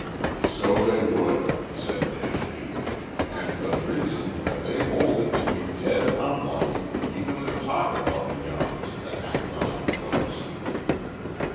"So they would," said Nashby, "and for the reason that they hold it to be dead unlucky even to talk about the yarns that hang around the place."